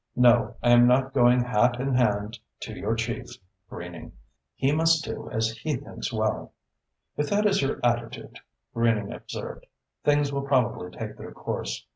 No, I am not going hat in hand to your chief, Greening. He must do as he thinks well." "If that is your attitude," Greening observed, "things will probably take their course.